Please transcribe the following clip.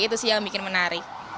itu sih yang bikin menarik